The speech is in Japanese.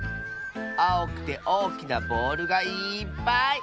あおくておおきなボールがいっぱい！